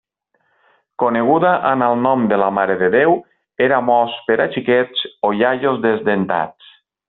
Coneguda amb el nom de la marededéu, era mos per a xiquets o iaios desdentats.